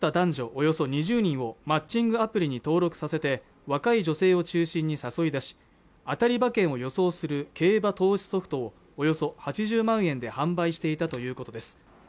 およそ２０人をマッチングアプリに登録させて若い女性を中心に誘い出し当たり馬券を予想する競馬投資ソフトをおよそ８０万円で販売していたということです